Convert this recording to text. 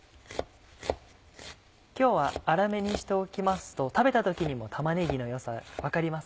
今日は粗めにしておきますと食べた時にも玉ねぎの良さ分かりますね。